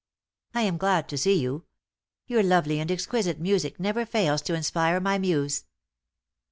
"I am glad to see you. Your lovely and exquisite music never fails to inspire my muse."